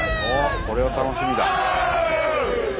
これは楽しみだ。